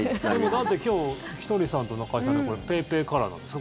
だって今日ひとりさんと中居さんでＰａｙＰａｙカラーなんですか？